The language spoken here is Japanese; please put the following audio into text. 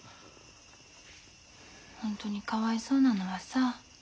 ホントにかわいそうなのはさ